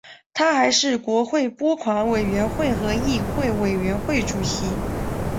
他还是国会拨款委员会和议院委员会主席。